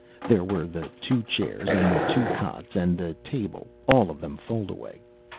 There were the two chairs and the two cots and the table, all of them foldaway.